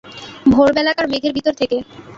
ভোরবেলাকার মেঘের ভিতর থেকে।